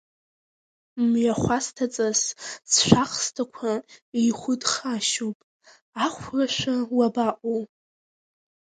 Мҩахәасҭаҵас сшәахсҭақәа еихәыдхашьуп, Ахәрашәа уабаҟоу?